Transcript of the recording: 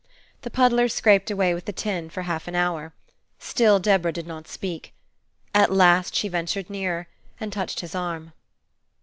The puddler scraped away with the tin for half an hour. Still Deborah did not speak. At last she ventured nearer, and touched his arm.